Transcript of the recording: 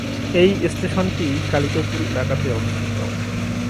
এই স্টেশনটি কালিকাপুর এলাকাতে অবস্থিত।